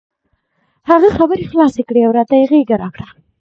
هغه خبرې خلاصې کړې او راته یې غېږه راکړه.